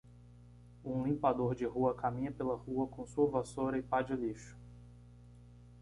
Um limpador de rua caminha pela rua com sua vassoura e pá de lixo.